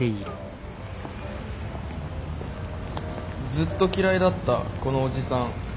「ずっと嫌いだったこのおじさん」。